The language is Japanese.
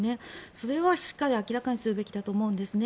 それはしっかりと明らかにするべきだと思うんですね。